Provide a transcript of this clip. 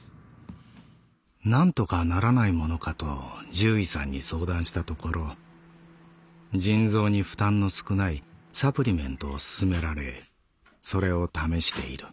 「なんとかならないものかと獣医さんに相談したところ腎臓に負担の少ないサプリメントを勧められそれを試している」。